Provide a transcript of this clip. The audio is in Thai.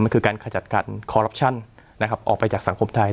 มันคือการขจัดการนะครับออกไปจากสังคมไทย